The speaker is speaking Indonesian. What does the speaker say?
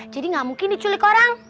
jadi enggak mungkin diculik orang